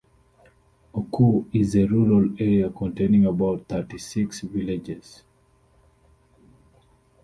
Oku is a rural area containing about thirty-six villages.